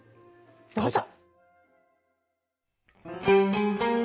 どうぞ。